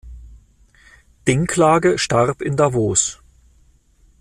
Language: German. Dincklage starb in Davos.